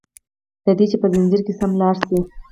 له دي چي په ځنځير کي سم لاړ شي